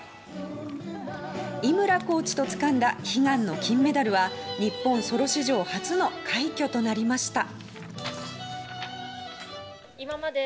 井村コーチとつかんだ悲願の金メダルは日本ソロ史上初の快挙となりました。